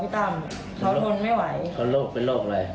ตั้มเขาทนไม่ไหวเขาโรคเป็นโรคอะไร